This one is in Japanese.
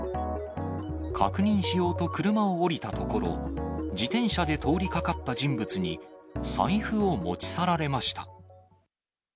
確認しようと車を降りたところ、自転車で通りかかった人物に、財布を持ち去られました。